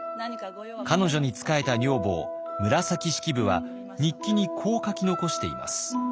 彼女に仕えた女房紫式部は日記にこう書き残しています。